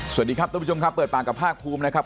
สวัสดีครับทุกผู้ชมครับเปิดปากกับภาคภูมินะครับ